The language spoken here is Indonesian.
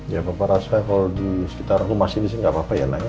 ya papa rasa kalau di sekitar rumah sedih sih gak apa apa ya naya